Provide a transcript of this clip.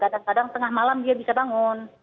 kadang kadang tengah malam dia bisa bangun